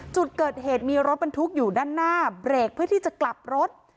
จุดเกิดเหตุมีรถบรรทุกอยู่ด้านหน้าเบรกเพื่อที่จะกลับรถ